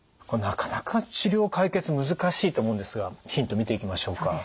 これなかなか治療解決難しいと思うんですがヒント見ていきましょうか。